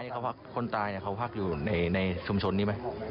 เขาคนตายเขาพักอยู่ในชุมชนนี้ไหม